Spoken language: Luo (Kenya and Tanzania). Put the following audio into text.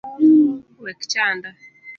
Wek chanda